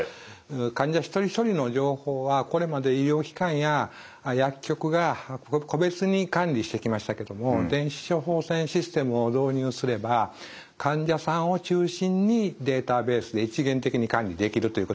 患者一人一人の情報はこれまで医療機関や薬局が個別に管理してきましたけども電子処方箋システムを導入すれば患者さんを中心にデータベースで一元的に管理できるということになります。